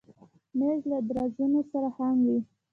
مېز له درازونو سره هم وي.